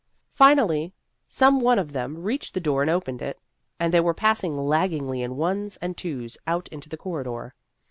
Finally, some one of them reached the door and opened it, and they were pass ing laggingly in ones and twos out into the corridor.